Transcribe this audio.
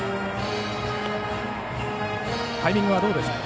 タイミングは、どうですか。